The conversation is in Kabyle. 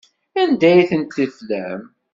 Anda ay tent-teflam?